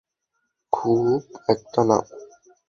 খুব একটা না।